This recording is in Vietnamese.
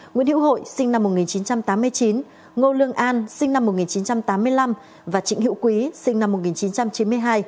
nguyễn hữu hội sinh năm một nghìn chín trăm tám mươi chín ngô lương an sinh năm một nghìn chín trăm tám mươi năm và trịnh hữu quý sinh năm một nghìn chín trăm chín mươi hai